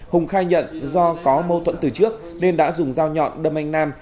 hùng khai nhận do có mâu thuẫn từ trước nên đã dùng dao nhọn đâm anh nam